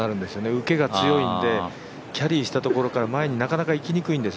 受けが強いんでキャリーしたところから前になかなかいきにくいんです。